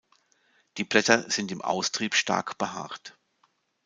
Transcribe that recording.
Die Blätter sind im Austrieb stark behaart.